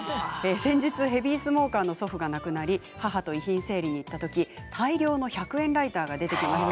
先日ヘビースモーカーの祖父が亡くなり、母と遺品整理に行ったとき大量の１００円ライターが出てきました。